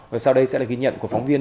và sau đây sẽ là ghi nhận của phóng viên